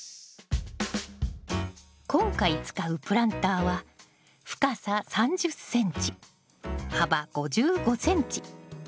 今回使うプランターは深さ３０ｃｍ幅５５ｃｍ。